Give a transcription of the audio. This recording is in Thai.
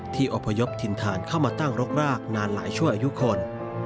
อพยพถิ่นฐานเข้ามาตั้งรกรากนานหลายชั่วอายุคน